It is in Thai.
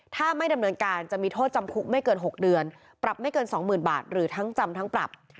ถ้าไม่ดำเนินการจะมีโทษจำคุกไม่เกิน๖เดือนปรับไม่เกิน๒๐๐๐บาทหรือทั้งจำทั้งปรับ